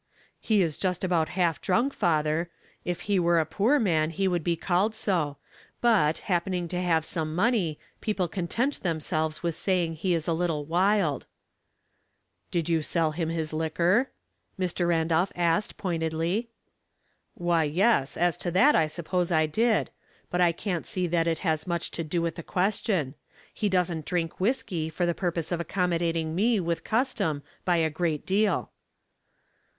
*' He is just about half drunk, father. If he were a poor man he would be called so; but, happening to have some money, people content themselves with saying he is a little wild." " Did you sell him his liquor ?" Mr. Randolph asked, pointedly. "Why, yes; as to that, I suppose I did. But I can't see that it has much to do with the question. He doesn't drink whisky for the Weighty Matters in Small Scales, 149 purpose of accommodating me with custom, by a great deal.'